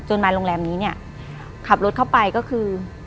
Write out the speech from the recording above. จนมาโรงแรมนี้ขับรถเข้าไปก็คือ